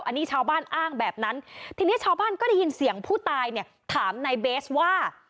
อันนี้ชาวบ้านอ้างแบบนั้นทีนี้ชาวบ้านก็ได้ยินเสียงผู้ตายเนี่ยถามนายเบสว่า